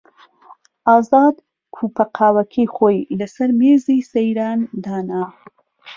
ئازاد کووپە قاوەکەی خۆی لەسەر مێزی سەیران دانا.